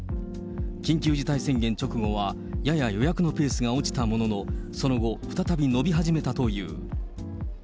緊急事態宣言直後はやや予約のペースが落ちたものの、その後、再び伸び始めたという。